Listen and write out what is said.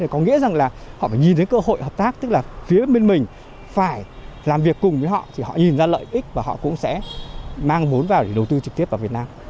có nghĩa rằng là họ phải nhìn thấy cơ hội hợp tác tức là phía bên mình phải làm việc cùng với họ thì họ nhìn ra lợi ích và họ cũng sẽ mang vốn vào để đầu tư trực tiếp vào việt nam